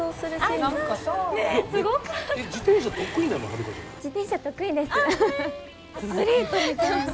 自転車得意です。